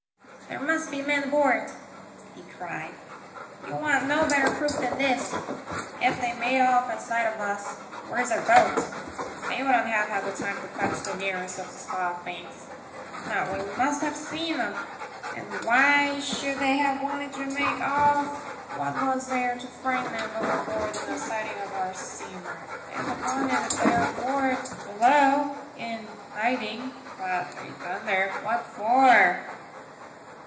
" There must be men aboard," he cried ; "you want no better proof than this. If they made off at sight of us Where's their boat ? They wouldn't have had time to fetch the nearest of those fog banks. No, we must have seen 'em. And why should they have wanted to make off ? What was there to frighten 'em overboard in the sighting of our steamer ? Depend upon it they're aboard — below — in hiding; but, great thunder? what for